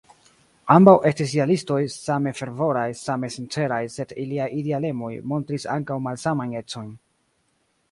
Ambaŭ estis idealistoj, same fervoraj, same sinceraj; sed iliaj idealemoj montris ankaŭ malsamajn ecojn.